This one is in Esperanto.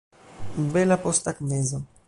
Bela posttagmezo.